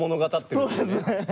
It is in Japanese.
そうですね。